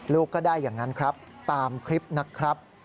ลูกก็ได้อย่างนั้นครับตามคลิปนะครับ